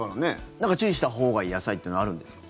なんか注意したほうがいい野菜というのはあるんですか？